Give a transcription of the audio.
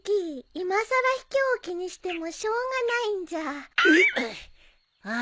いまさらひきょうを気にしてもしょうがないんじゃ。えっ。